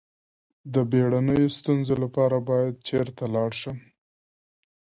د بیړنیو ستونزو لپاره باید چیرته لاړ شم؟